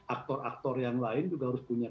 aktor aktor yang lain juga harus punya